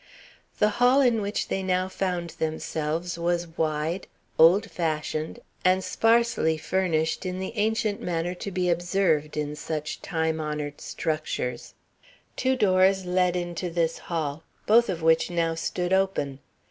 The hall in which they now found themselves was wide, old fashioned, and sparsely furnished in the ancient manner to be observed in such time honored structures. Two doors led into this hall, both of which now stood open.